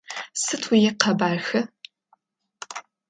Сыд уикъэбархэ?